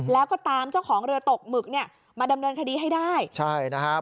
แล้วก็ตามเจ้าของเรือตกหมึกเนี่ยมาดำเนินคดีให้ได้ใช่นะครับ